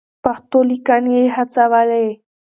پښتو ليکنې يې هڅولې.